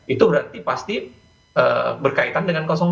itu berarti pasti berkaitan dengan dua